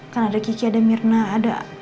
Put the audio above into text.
kan ada kici ada mirna ada